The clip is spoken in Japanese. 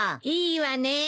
いいわね。